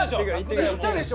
いったでしょ